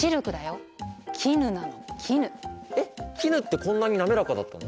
これねえっ絹ってこんなに滑らかだったの？